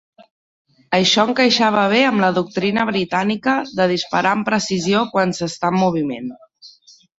Això encaixava bé amb la doctrina britànica de disparar amb precisió quan s'està en moviment.